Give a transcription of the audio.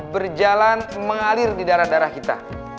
berjalan mengalir di darah darah kita